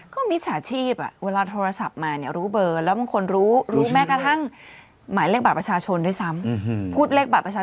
คือข้อมูลก็แน่นเลยเนอะ